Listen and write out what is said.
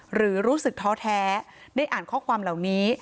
หรือรู้สึกท้อแท้ได้อ่านข้อความเหล่านี้